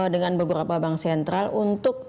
dengan beberapa bank sentral untuk